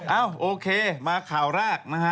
เอ้าโอเคมาข่าวแรกนะฮะ